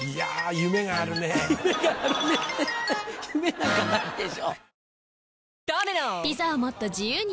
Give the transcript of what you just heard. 夢なんかないでしょ！